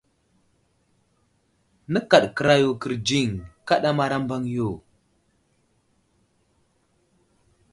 Nəkaɗ kəra yo kərdziŋ ,kaɗamar a mbaŋ yo.